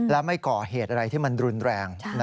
และไม่ก่อเหตุอะไรที่มันรุนแรง